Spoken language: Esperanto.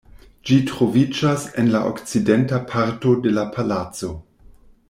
Ĝi troviĝas en la okcidenta parto de la palaco.